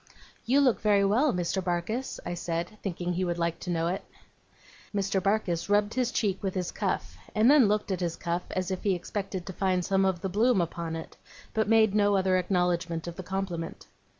'You look very well, Mr. Barkis,' I said, thinking he would like to know it. Mr. Barkis rubbed his cheek with his cuff, and then looked at his cuff as if he expected to find some of the bloom upon it; but made no other acknowledgement of the compliment.